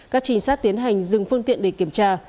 các trình sát tiến hành dừng phương tiện để kiểm tra